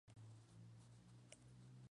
Las principales spp.